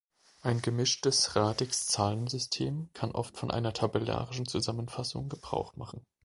Ein gemischtes Radix-Zahlensystem kann oft von einer tabellarischen Zusammenfassung Gebrauch machen.